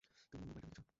তুমি অন্য বাড়িটা দেখেছ?